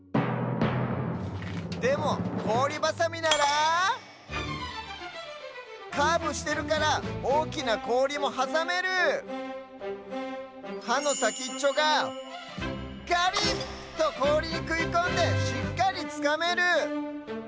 でもこおりバサミならカーブしてるからおおきなこおりもはさめる！はのさきっちょがガリッ！とこおりにくいこんでしっかりつかめる！